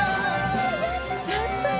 やったね！